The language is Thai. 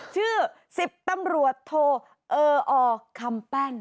ชื่อ๑๐ตำรวจโทเอออคำแป้น